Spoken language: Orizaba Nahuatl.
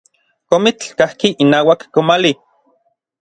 Komitl kajki inauak komali.